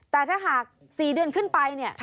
แต่ถ้าหาก๔เดือนขึ้นไปเนี่ย